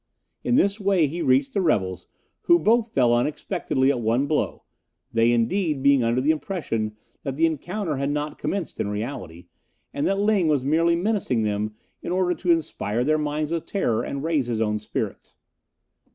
In this way he reached the rebels, who both fell unexpectedly at one blow, they, indeed, being under the impression that the encounter had not commenced in reality, and that Ling was merely menacing them in order to inspire their minds with terror and raise his own spirits.